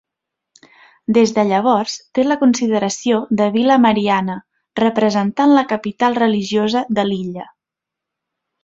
Des de llavors té la consideració de vila mariana, representant la capital religiosa de l'illa.